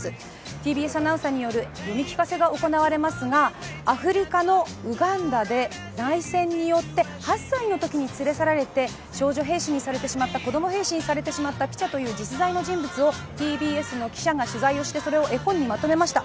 ＴＢＳアナウンサーによる読み聞かせが行われますがアフリカのウガンダで内戦によって８歳のときに連れ去られて少女兵士、子供兵士にされてしまったというピチャという実在の人物をＴＢＳの記者が取材してそれを絵本にまとめました。